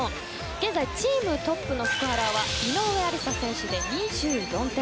現在チームトップのスコアラーは井上愛里沙選手で２４点。